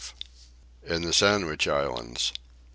IN THE SANDWICH ISLANDS.